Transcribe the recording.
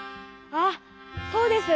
ああそうです。